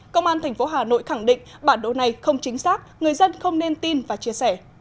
công an tp hà nội khẳng định bản đồ này không chính xác người dân không nên tin và chia sẻ